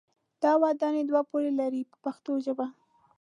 دا ودانۍ دوه پوړه لري په پښتو ژبه.